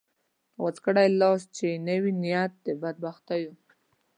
غوڅ کړې لاس چې یې وي نیت د بدبختیو